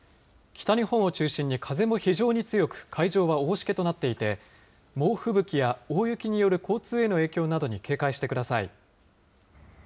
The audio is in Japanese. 北日本を中心に風も非常に強く、海上は大しけとなっていて、猛吹雪や大雪による交通への影響などに警戒してください。